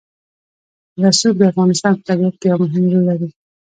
رسوب د افغانستان په طبیعت کې یو مهم رول لري.